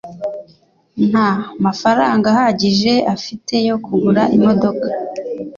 Nta mafaranga ahagije afite yo kugura imodoka.